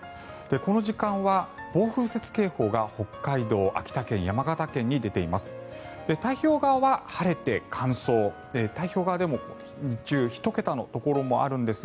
この時間は暴風雪警報が北海道秋田県、山形県に出ています。